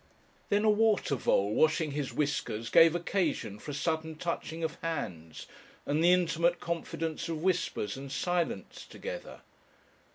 Then a water vole washing his whiskers gave occasion for a sudden touching of hands and the intimate confidence of whispers and silence together.